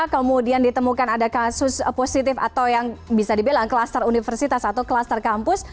kemudian ditemukan ada kasus positif atau yang bisa dibilang kluster universitas atau kluster kampus